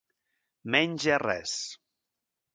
Menys és res.